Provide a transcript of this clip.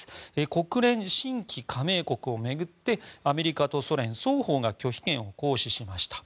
国連新規加盟国を巡ってアメリカとソ連、双方が拒否権を行使しました。